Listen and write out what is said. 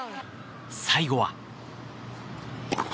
最後は。